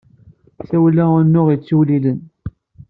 Twala unuɣ yettewliwilen.